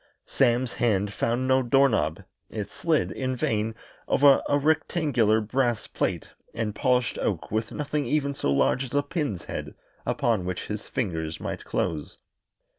Sam's hand found no door knob it slid, in vain, over a rectangular brass plate and polished oak with nothing even so large as a pin's head upon which his fingers might close.